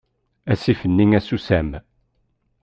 Asif-nni asusam.